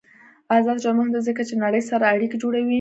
آزاد تجارت مهم دی ځکه چې نړۍ سره اړیکې جوړوي.